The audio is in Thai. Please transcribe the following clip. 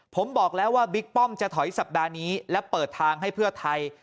ผมบอกแล้วว่าบิ๊กป้อมจะถอยสัปดาห์นี้และเปิดทางให้เพื่อไทย